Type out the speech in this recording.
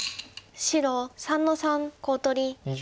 白３の三コウ取り。